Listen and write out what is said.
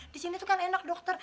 di sini tuh kan enak dokter